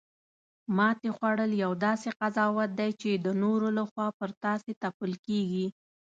ماتې خوړل یو داسې قضاوت دی چې د نورو لخوا پر تاسې تپل کیږي